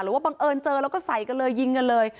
บังเอิญเจอแล้วก็ใส่กันเลยยิงกันเลย